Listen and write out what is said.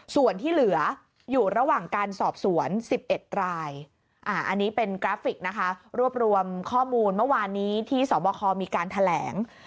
ส่วนที่เหลืออยู่ระหว่างการสอบสวน๑๑รายอันนี้เป็นกราฟิกนะคะรวบรวมข้อมูลเมื่อวานนี้ที่สบคมีการแถลง